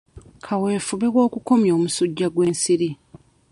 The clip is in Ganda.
Kaweefube w'okukomya omusujja gw'ensiri